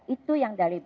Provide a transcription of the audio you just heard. itu yang dari btp